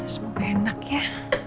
semoga enak ya